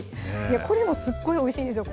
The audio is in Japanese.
これもすっごいおいしいんですよ